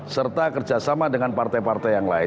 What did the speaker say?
serta kerjasama dengan partai partai yang lain